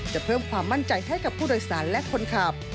เพิ่มความมั่นใจให้กับผู้โดยสารและคนขับ